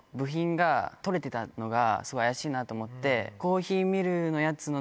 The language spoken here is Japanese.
すごい怪しいなと思って。